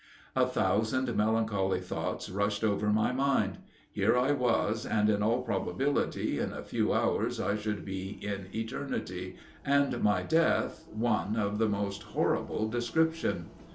A thousand melancholy thoughts rushed over my mind. Here I was, and, in all probability, in a few hours I should be in eternity, and my death one of the most horrible description.